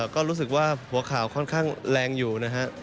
ก็รู้สึกว่าหัวข่าวค่อนข้างแรงอยู่นะฮะ